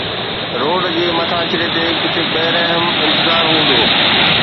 road جي مٿاڇري تي ڪٿي بي رحم انتظار هوندو